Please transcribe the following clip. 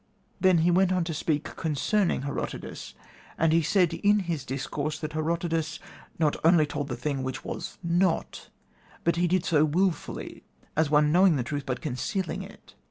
Then he went on to speak concerning Herodotus, and he said in his discourse that Herodotus not only told the thing which was not, but that he did so wilfully, as one knowing the truth but concealing it.